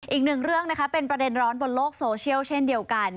อีกหนึ่งเรื่องนะคะเป็นประเด็นร้อนบนโลกโซเชียลเช่นเดียวกัน